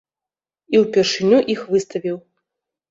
І ўпершыню іх выставіў.